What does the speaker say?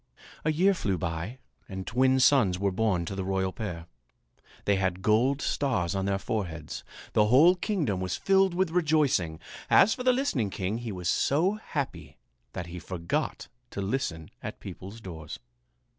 A year flew by and twin sons were born to the royal pair. They had gold stars on their foreheads. The whole kingdom was filled with rejoicing. As for the listening king, he was so happy that he forgot to listen at people's doors.